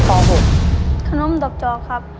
ขนมดอกจอกครับ